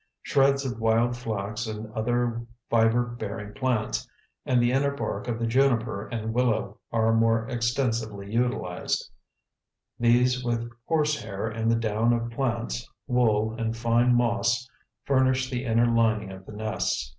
Shreds of wild flax and other fiber bearing plants and the inner bark of the juniper and willow are more extensively utilized; these with horsehair and the down of plants, wool and fine moss furnish the inner lining of the nests.